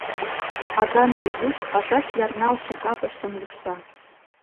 А данле юж Пашаш ярналше капыштым лушта.